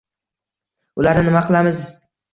ularni nima qilamiz?.